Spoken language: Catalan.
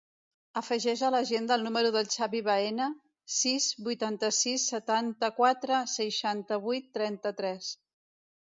Afegeix a l'agenda el número del Xavi Baena: sis, vuitanta-sis, setanta-quatre, seixanta-vuit, trenta-tres.